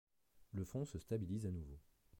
Le front se stabilise à nouveau.